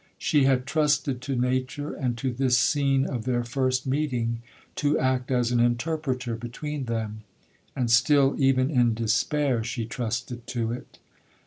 She had trusted to nature, and to this scene of their first meeting, to act as an interpreter between them,—and still even in despair she trusted to it.